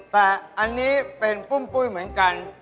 แต่อันนี้เป็นปุ้มปุ้ยเหมือนกัน